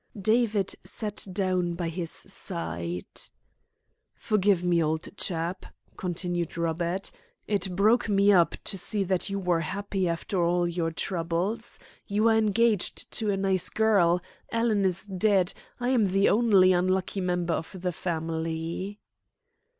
David sat down by his side. "Forgive me, old chap," continued Robert. "It broke me up to see that you were happy after all your troubles. You are engaged to a nice girl; Alan is dead; I am the only unlucky member of the family."